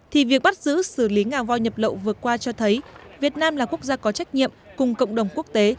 thì việc bắt giữ xử lý ngà voi nhập lậu vừa qua cho thấy việt nam là quốc gia có trách nhiệm cùng cộng đồng quốc tế